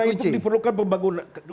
karena itu diperlukan pembangunan